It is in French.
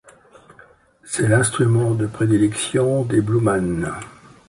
C'est l'instrument de prédilection des Blue Man.